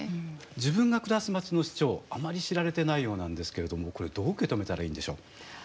自分が暮らすまちの首長あまり知られてないようなんですけれどもこれどう受け止めたらいいんでしょう。